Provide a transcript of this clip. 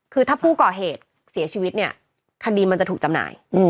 คือถ้าผู้ก่อเหตุเสียชีวิตเนี่ยคดีมันจะถูกจำหน่าย